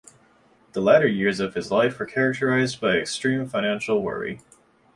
The latter years of his life were characterized by extreme financial worry.